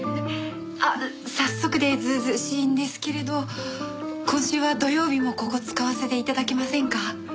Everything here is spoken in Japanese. あっ早速で図々しいんですけれど今週は土曜日もここ使わせて頂けませんか？